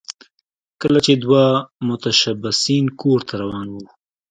کله چې دوه متشبثین کور ته روان وو